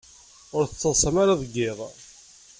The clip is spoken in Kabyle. Ur tettaḍḍasem ara deg yiḍ.